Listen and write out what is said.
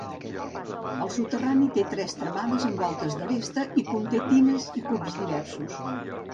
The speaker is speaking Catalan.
El soterrani té tres tramades amb voltes d'aresta i conté tines i cups diversos.